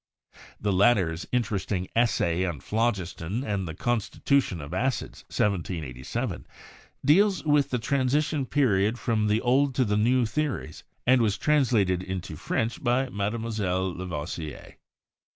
The latter's in teresting "Essay on Phlogiston and the Constitution of Acids" (1787) deals with the transition period from the old to the new theories, and was translated into French by Mme. Lavoisier.